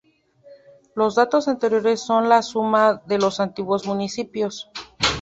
Los datos anteriores son la suma de los antiguos municipios.